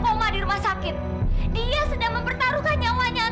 agar gak kesempatan aku